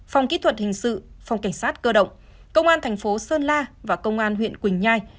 phòng kỹ thuật hình sự phòng cảnh sát cơ động công an thành phố sơn la và công an huyện quỳnh nhai